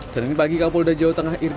senin pagi kapolda jawa tengah irjen